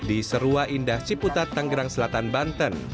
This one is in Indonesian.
di serua indah ciputat tanggerang selatan banten